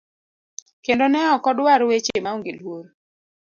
kendo ne okodwar weche maonge luor.